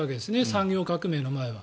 産業革命の前は。